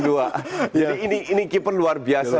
jadi ini keeper luar biasa